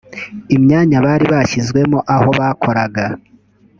imyanya bari bashyizwemo aho bakoraga